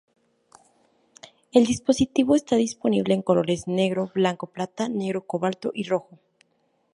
El dispositivo está disponible en colores negro, blanco plata, negro cobalto y rojo.